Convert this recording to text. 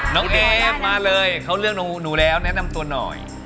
น้องเอฟมาเลยเขาเลือกหนูแล้วแนะนำตัวหน่อย